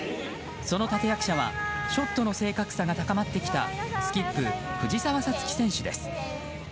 その立役者はショットの正確さが高まってきたスキップ、藤澤五月選手です。